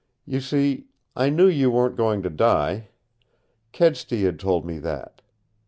You see, I knew you weren't going to die. Kedsty had told me that.